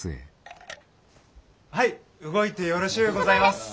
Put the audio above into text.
はい動いてよろしゅうございます。